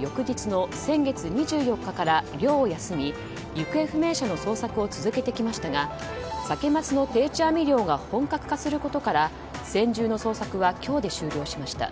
翌日の先月２４日から漁を休み行方不明者の捜索を続けてきましたがサケマスの定置網漁が本格化することから専従の捜索は今日で終了しました。